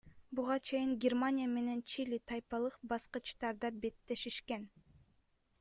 Буга чейин Германия менен Чили тайпалык баскычтарда беттешишкен.